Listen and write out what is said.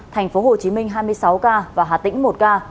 tp hcm hai mươi sáu ca và hà tĩnh một ca